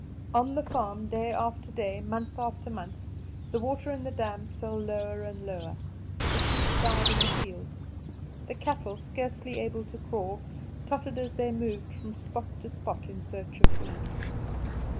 On the farm, day after day, month after month, the water in the dams fell lower and lower; the sheep died in the fields; the cattle, scarcely able to crawl, tottered as they moved from spot to spot in search of food.